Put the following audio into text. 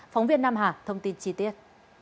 phóng viên nam hà thông tin chi tiết